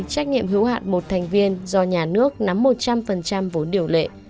trách nhiệm hữu hạn một thành viên do nhà nước nắm một trăm linh vốn điều lệ